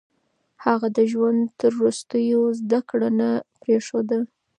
هغه د ژوند تر وروستيو زده کړه نه پرېښوده.